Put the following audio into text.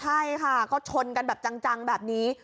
ใช่ค่ะก็ชนกันแบบจังแบบนี้